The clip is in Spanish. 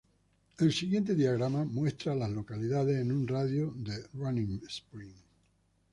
El siguiente diagrama muestra a las localidades en un radio de de Running Springs.